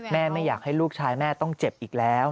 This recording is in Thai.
ไม่อยากให้ลูกชายแม่ต้องเจ็บอีกแล้ว